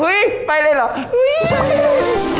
อุ้ยไปเลยเหรอ